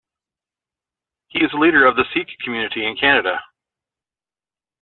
He is a leader of the Sikh community in Canada.